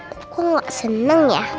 kok gak senang ya